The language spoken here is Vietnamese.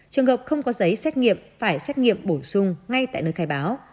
trường hợp không có giấy xét nghiệm phải xét nghiệm bổ sung ngay tại nơi khai báo